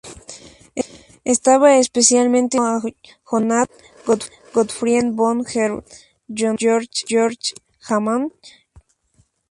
Estaba especialmente ligado a Johann Gottfried von Herder, Johann Georg Hamann y Goethe.